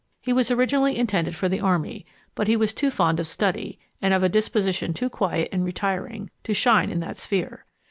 He was originally intended for the army; but he was too fond of study, and of a disposition too quiet and retiring, to shine in that sphere.